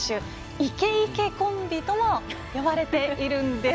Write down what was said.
イケ・イケコンビと呼ばれているんです。